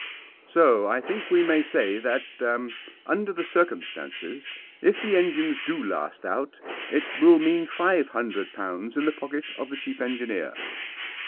"So I think we may say that, under the circum stances, if the engines do last out, it will mean five hundred pounds in the pocket of the chief engineer."